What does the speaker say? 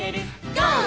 ゴー！」